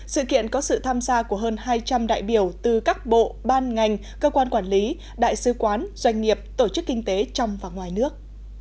sự kiện có sự tham gia của hơn hai trăm linh đại biểu từ các bộ ban ngành cơ quan quản lý đại sứ quán doanh nghiệp tổ chức kinh tế trong và ngoài nước